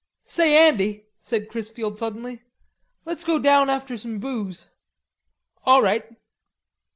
"Say, Andy," said Chrisfield, suddenly, "let's go down after some booze." "All right."